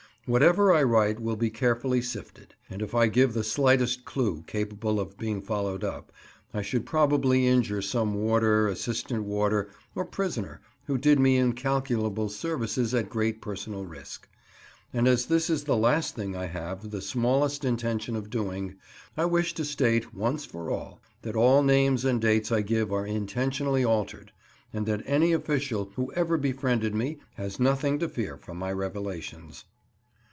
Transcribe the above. Whatever I write will be carefully sifted; and if I give the slightest clue capable of being followed up, I should probably injure some warder, assistant warder, or prisoner who did me incalculable services at great personal risk; and as this is the last thing I have the smallest intention of doing, I wish to state, once for all, that all names and dates I give are intentionally altered, and that any official who ever befriended me has nothing to fear from my revelations.